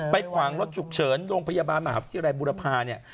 ขวางรถฉุกเฉินโรงพยาบาลมหาวิทยาลัยบุรพาเนี่ย